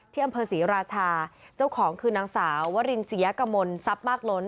ที่อำเภอศรีราชาเจ้าของคือนางสาววรินเสียกมลทรัพย์มากล้น